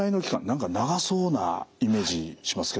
何か長そうなイメージしますけど。